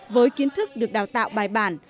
với kiến thức được đào tạo bài bản